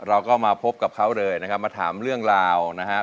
เราก็มาพบกับเขาเลยนะครับมาถามเรื่องราวนะฮะ